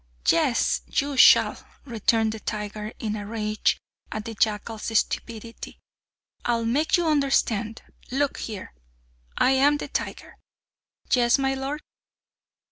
"Yes, you shall!" returned the tiger, in a rage at the jackal's stupidity; "I'll make you understand! Look here I am the tiger " "Yes, my lord!"